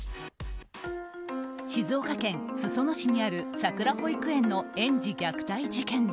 静岡県裾野市にあるさくら保育園の園児虐待事件で